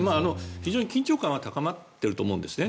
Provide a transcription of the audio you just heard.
非常に緊張感は高まっていると思うんですね。